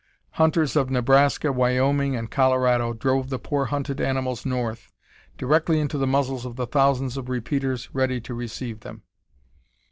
Hunters of Nebraska, Wyoming, and Colorado drove the poor hunted animals north, directly into the muzzles of the thousands of repeaters ready to receive them.